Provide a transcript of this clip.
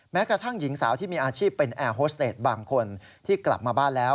แม้กระทั่งหญิงสาวที่มีอาชีพเป็นแอร์โฮสเตจบางคนที่กลับมาบ้านแล้ว